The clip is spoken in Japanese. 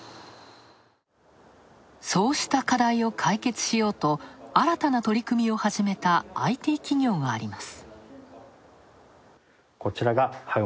そうした課題を解決しようと新たな取り組みを始めたＩＴ企業があります。